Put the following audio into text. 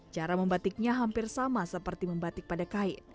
cara membatiknya hampir sama seperti membatik pada kain